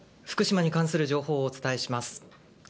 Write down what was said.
福島に関する情報をお伝えします。